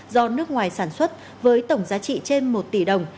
do nước ngoài sản xuất với tổng giá trị trên một tỷ đồng